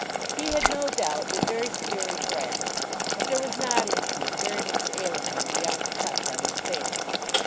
He had no doubt been very severely thrashed, but there was not in truth very much ailing him beyond the cuts on his face.